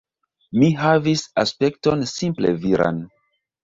Mi havis aspekton simple viran.